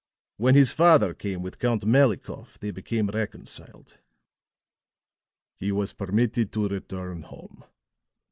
When his father came with Count Malikoff they became reconciled. He was permitted to return home.